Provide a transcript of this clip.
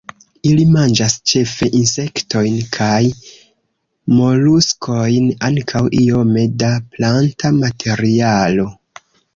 Ili manĝas ĉefe insektojn kaj moluskojn, ankaŭ iome da planta materialo.